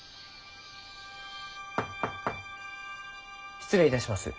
失礼いたします。